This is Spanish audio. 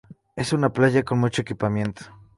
Es una playa con mucho equipamiento.